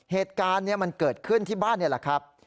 เหตุการณ์มันเกิดขึ้นที่บ้านนี่แหละครับ